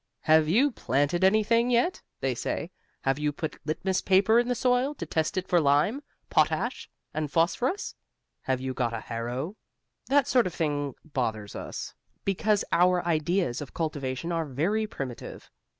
"Have you planted anything yet?" they say. "Have you put litmus paper in the soil to test it for lime, potash and phosphorus? Have you got a harrow?" That sort of thing bothers us, because our ideas of cultivation are very primitive.